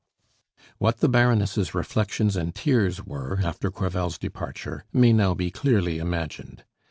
What the Baroness' reflections and tears were after Crevel's departure may now be clearly imagined.